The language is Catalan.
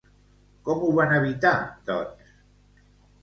Com ho van evitar, doncs?